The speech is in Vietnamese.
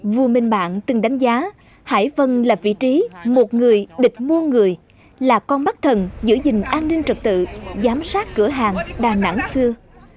vua minh bạn từng đánh giá hải vân là vị trí một người địch mua người là con bắt thần giữ gìn an ninh trật tự giám sát cửa hàng đà nẵng xưa